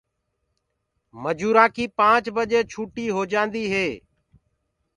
مجورآنٚ ڪيٚ پآنٚچ بجي ڇُوٽيٚ هوجآنٚديٚ هي